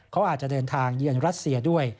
เขาอาจจะเดินทางเยือนรัสเซียด้วย